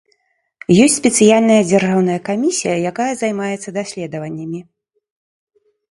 Ёсць спецыяльная дзяржаўная камісія, якая займаецца даследаваннямі.